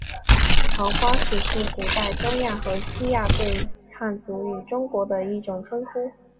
桃花石是古代中亚和西亚对汉族与中国的一种称呼。